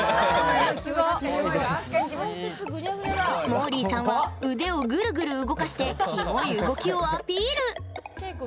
もーりーさんは腕をぐるぐる動かしてキモい動きをアピール。